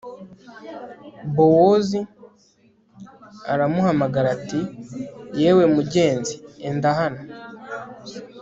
bowozi aramuhamagara ati yewe mugenzi! enda hano